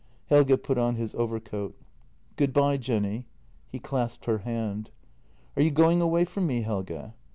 Helge put on his overcoat. " Good bye, Jenny." He clasped her hand. "Are you going away from me, Helge?"